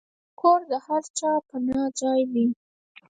کور د هر چا پناه ځای دی.